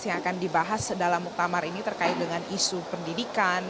yang akan dibahas dalam muktamar ini terkait dengan isu pendidikan